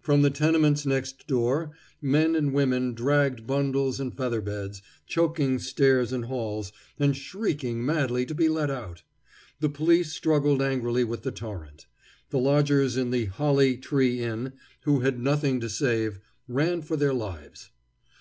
From the tenements next door men and women dragged bundles and feather beds, choking stairs and halls, and shrieking madly to be let out. The police struggled angrily with the torrent. The lodgers in the Holly Tree Inn, who had nothing to save, ran for their lives.